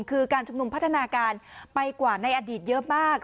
คือการชุมนุมพัฒนาการไปกว่าในอดีตเยอะมาก